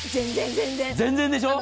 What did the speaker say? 全然でしょう。